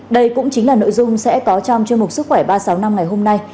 đây cũng chính là nội dung sẽ có trong chương mục sức khỏe ba trăm sáu mươi năm ngày hôm nay